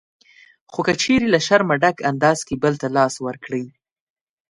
خو که چېرې له شرمه ډک انداز کې بل ته لاس ورکړئ